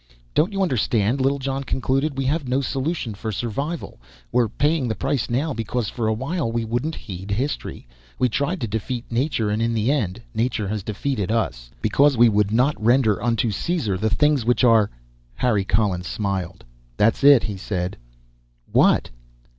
"Don't you understand?" Littlejohn concluded. "We have no solution for survival. We're paying the price now because for a while we wouldn't heed history. We tried to defeat Nature and in the end Nature has defeated us. Because we would not render unto Caesar the things which are " Harry Collins smiled. "That's it," he said. "What?"